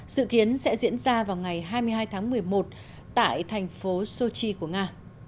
dự kiến sẽ diễn ra vào ngày hai mươi hai tháng một mươi một tại thành phố sochi của nga